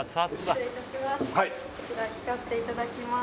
失礼いたします